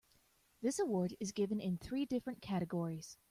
This award is given in three different categories.